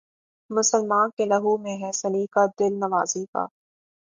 مسلماں کے لہو میں ہے سلیقہ دل نوازی کا